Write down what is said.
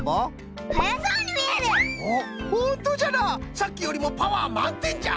さっきよりもパワーまんてんじゃ！